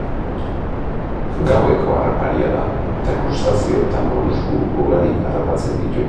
Gaueko harraparia da, eta krustazeo eta molusku ugari harrapatzen ditu.